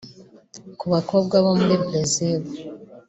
Ku bakobwa bo muri Brazil